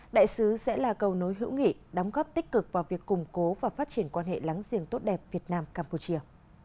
đại sứ sẽ là cầu nối hữu nghị đóng góp tích cực vào việc củng cố và phát triển quan hệ láng giềng tốt đẹp việt nam campuchia